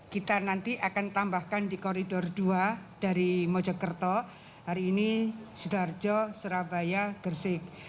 kita nanti akan tambahkan di koridor dua dari mojokerto hari ini sidoarjo surabaya gersik